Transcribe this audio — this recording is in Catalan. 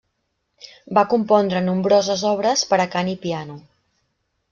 Va compondre nombroses obres per a cant i piano.